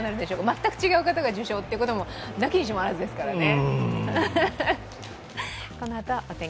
全く違う方が受賞ということもなきにしもあらずですからね。